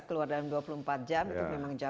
keluar dalam dua puluh empat jam itu memang jauh